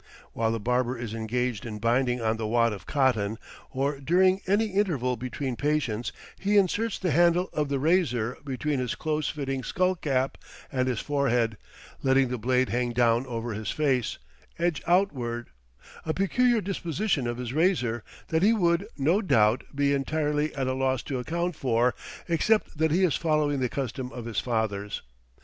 While the barber is engaged in binding on the wad of cotton, or during any interval between patients, he inserts the handle of the razor between his close fitting skull cap and his forehead, letting the blade hang down over his face, edge outward; a peculiar disposition of his razor, that he would, no doubt, be entirely at a loss to account for, except that he is following the custom of his fathers.